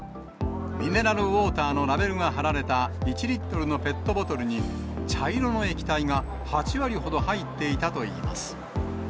ミネラルウォーターのラベルが貼られた１リットルのペットボトルに、茶色の液体が８割ほど入っていたといいます。